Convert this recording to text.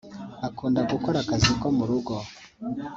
Akunda gukora akazi ko mu rugo